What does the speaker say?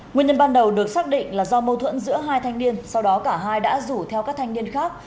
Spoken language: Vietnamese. nguyên nhân ban đầu được xác định là do mâu thuẫn giữa hai thanh niên sau đó cả hai đã rủ theo các thanh niên khác